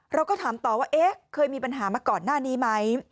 เราก็ถามต่อว่าเอ๊ะเคยมีปัญหามาก่อนหน้านี้ไหม